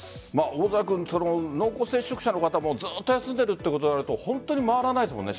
大空君、濃厚接触者の方ずっと休んでいるとなると本当に回らないですよね。